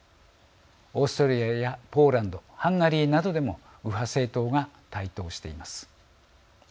オーストリアやポーランドハンガリーなどでも右派政党が台頭しています。